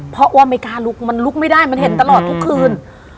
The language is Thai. เพราะว่าไม่กล้าลุกมันลุกไม่ได้มันเห็นตลอดทุกคืน